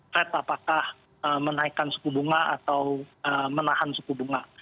fed apakah menaikkan suku bunga atau menahan suku bunga